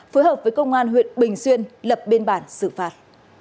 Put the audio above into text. phối hợp với công an huyện bình xuyên lập biên bản xử phạt